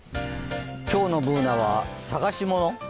今日のＢｏｏｎａは探しもの？